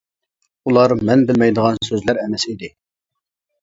ئۇلار مەن بىلمەيدىغان سۆزلەر ئەمەس ئىدى.